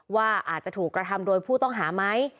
ว่าอาจจะถูกกระทำโดยผู้ต้องหาไหม